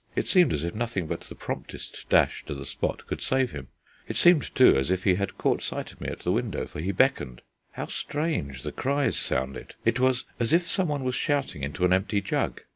It seemed as if nothing but the promptest dash to the spot could save him; it seemed, too, as if he had caught sight of me at the window, for he beckoned. How strange the cries sounded! It was as if someone was shouting into an empty jug.